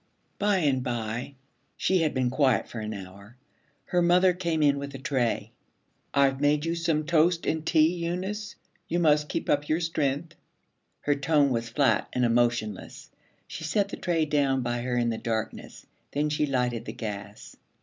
By and by, she had been quiet for an hour, her mother came in with a tray. 'I've made you some toast and tea, Eunice. You must keep up your strength.' Her tone was flat and emotionless. She set the tray down by her in the darkness. Then she lighted the gas.